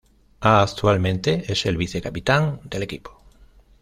Actualmente es el vice-capitán del equipo.